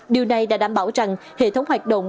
điều này đã đảm bảo rằng hệ thống hoạt động